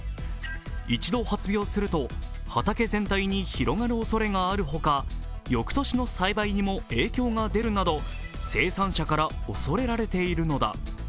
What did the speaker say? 一度発病すると、畑全体に広がるおそれがあるほか翌年の栽培にも影響が出るなど生産者から恐れられているのだ。